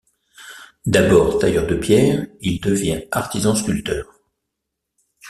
D’abord tailleur de pierre, il devient artisan sculpteur.